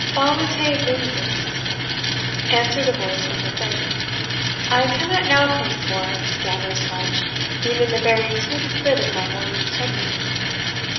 "FAVETE LINGUIS," answered a voice from within; "I cannot now come forth, Gammer Sludge, being in the very sweetest bit of my morning studies."